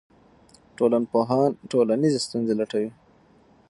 ټولنپوهان ټولنیزې ستونزې لټوي.